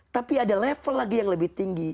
tapi ada level lagi yang lebih tinggi